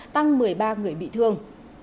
tăng một mươi ba người bị thương